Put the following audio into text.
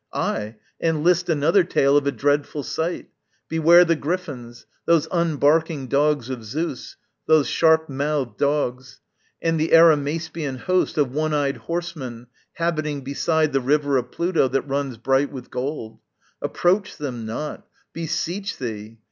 Ay, and list Another tale of a dreadful sight; beware The Griffins, those unbarking dogs of Zeus, Those sharp mouthed dogs! and the Arimaspian host Of one eyed horsemen, habiting beside The river of Pluto that runs bright with gold: Approach them not, beseech thee!